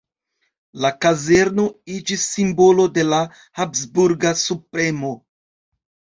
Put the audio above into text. La kazerno iĝis simbolo de la Habsburga subpremo.